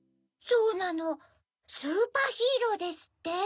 そうなのスーパーヒーローですって。